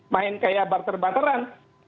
main kayak barter barteran